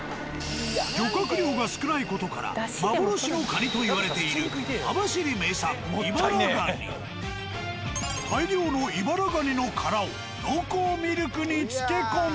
漁獲量が少ない事から幻の蟹といわれている網走名産大量のイバラ蟹の殻を濃厚ミルクに漬け込み。